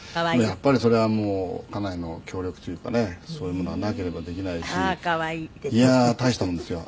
「やっぱりそれは家内の協力というかねそういうものがなければできないしいやー大したもんですよ」